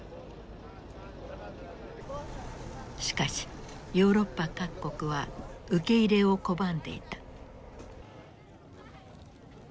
しかしヨーロッパ各国は受け入れを拒んでいた。